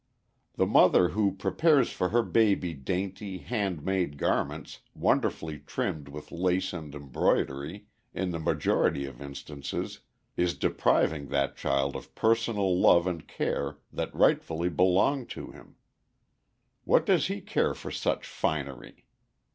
"The mother who prepares for her baby dainty, hand made garments, wonderfully trimmed with lace and embroidery, in the majority of instances is depriving that child of personal love and care that rightfully belong to him. What does he care for such finery?